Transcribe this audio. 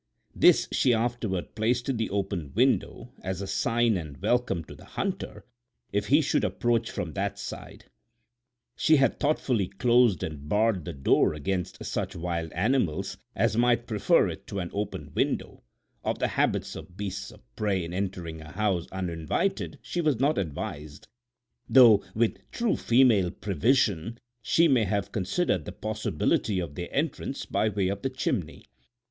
This she afterward placed in the open window as a sign and welcome to the hunter if he should approach from that side. She had thoughtfully closed and barred the door against such wild animals as might prefer it to an open window—of the habits of beasts of prey in entering a house uninvited she was not advised, though with true female prevision she may have considered the possibility of their entrance by way of the chimney.